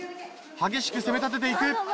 激しく攻め立てていく。